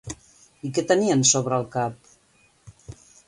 I què tenien sobre el cap?